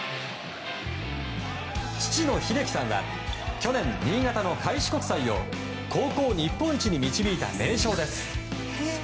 父の英樹さんは去年、新潟の開志国際を高校日本一に導いた名将です。